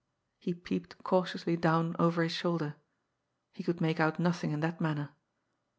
He peeped cautiously down over his shoulder. He could make out nothing in that manner.